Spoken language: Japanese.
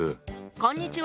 こんにちは。